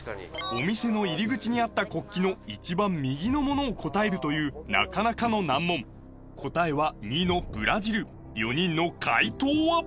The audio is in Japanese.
お店の入り口にあった国旗の一番右のものを答えるというなかなかの難問答えは②のブラジル４人の解答は？